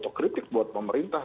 itu yang kita tunggu buat pemerintah